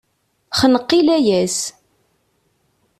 Xneq i layas.